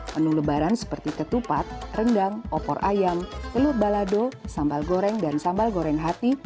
menu lebaran seperti ketupat rendang opor ayam telur balado sambal goreng dan sambal goreng hati